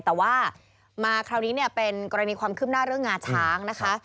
แต่ว่ามาคราวนี้เนี่ยเป็นกรณีความคืบหน้าเรื่องงาช้างนะคะ